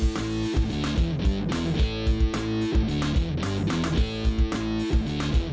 สวัสดีครับ